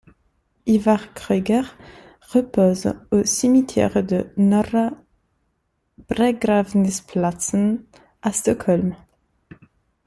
Ivar Kreuger repose au cimetière de Norra begravningsplatsen à Stockholm.